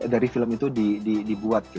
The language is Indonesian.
dari film itu dibuat